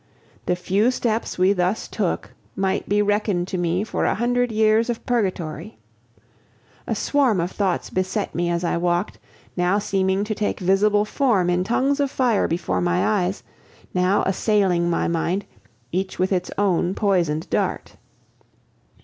The few steps we thus took might be reckoned to me for a hundred years of purgatory. A swarm of thoughts beset me as I walked, now seeming to take visible form in tongues of fire before my eyes, now assailing my mind, each with its own poisoned dart.